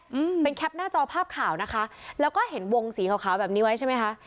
อืมเป็นแคปหน้าจอภาพข่าวนะคะแล้วก็เห็นวงสีขาวขาวแบบนี้ไว้ใช่ไหมคะ